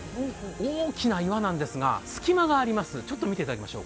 大きな岩なんですが、隙間があります。